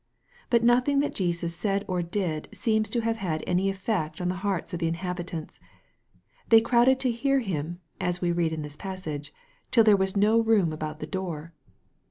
But nothing that Jesus said or did seems to have had any effect on the hearts of the inhabitants. They crowded to hear Him, as we read in this passage, " till there was no room about the door."